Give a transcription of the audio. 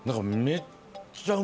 はっちゃ